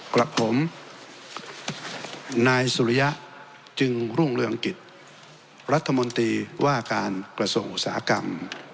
กับผมนายสุริยะจึงรุ่งเรืองกิจรัฐมนตรีว่าการกระทรวงอุตสาหกรรม